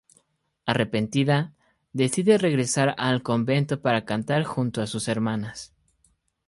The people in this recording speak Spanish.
Arrepentida, decide regresar al convento para cantar junto a sus hermanas.